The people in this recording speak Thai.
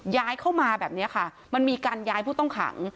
ย้ายเข้ามาแบบนี้ค่ะมันมีการย้ายผู้ต้องขัง